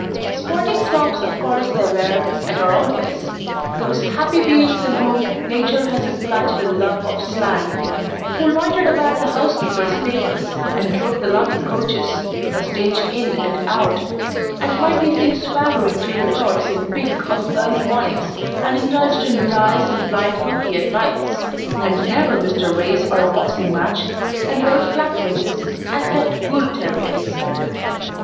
Sporting Snobs of course there were, and are always those happy beings in whom Nature has implanted a love of slang: who loitered about the horsekeeper's stables, and drove the London coaches a stage in and out and might be seen swaggering through the courts in pink of early mornings, and indulged in dice and blind hookey at nights, and never missed a race or a boxing match; and rode flat races, and kept bull terriers.